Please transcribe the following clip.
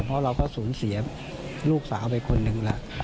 เพราะเราก็สูญเสียลูกสาวไปคนหนึ่งแล้ว